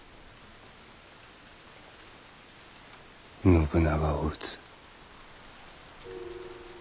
信長を討つ。